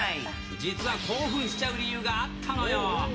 実は興奮しちゃう理由があったのよ。